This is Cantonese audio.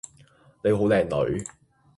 你好靚女